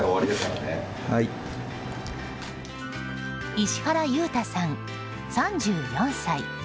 石原裕大さん、３４歳。